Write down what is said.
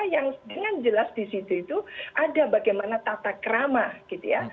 yang dengan jelas di situ itu ada bagaimana tata keramah gitu ya